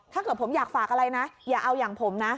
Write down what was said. ถ้าเกิดผมอยากฝากอะไรนะอย่าเอาอย่างผมนะ